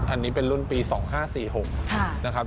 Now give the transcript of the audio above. อันนี้เป็นรุ่นปี๒๕๔๖นะครับ